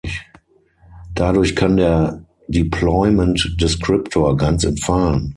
Dadurch kann der Deployment Descriptor ganz entfallen.